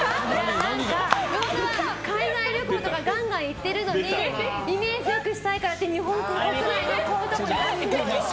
本当は海外旅行にガンガン行ってるのにイメージ良くしたいからって日本のこういうところに。